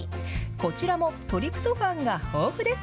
こちらもトリプトファンが豊富です。